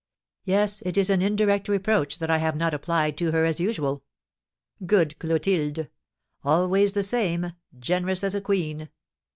Yes, it is an indirect reproach that I have not applied to her as usual. Good Clotilde! Always the same, generous as a queen!